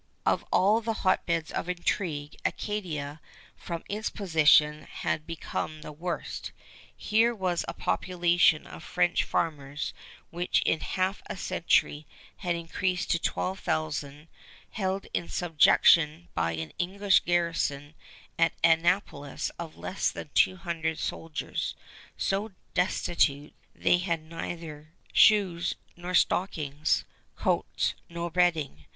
Of all the hotbeds of intrigue, Acadia, from its position, had become the worst. Here was a population of French farmers, which in half a century had increased to 12,000, held in subjection by an English garrison at Annapolis of less than two hundred soldiers so destitute they had neither shoes nor stockings, coats nor bedding.